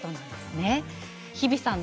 日比さん